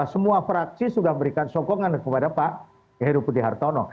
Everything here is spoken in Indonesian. semua fraksi sudah memberikan sokongan kepada pak heru budi hartono